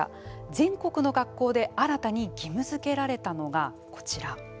全国の学校で新たに義務づけられたのがこちら。